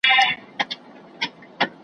ته به زیارت یې د شهیدانو .